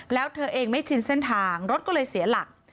แล้วเธอเองไม่ชินเส้นทางรถก็เลยเสียหลัก